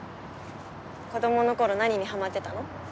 子どもの頃何にハマってたの？